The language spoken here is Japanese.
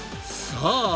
さあ